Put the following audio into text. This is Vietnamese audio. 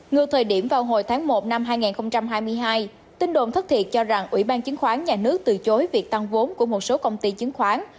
ngược thời điểm vào hồi tháng một năm hai nghìn hai mươi hai tin đồn thất thiệt cho rằng ủy ban chứng khoán nhà nước từ chối việc tăng vốn của một số công ty chứng khoán